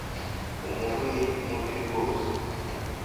Umubu ni mubi rwose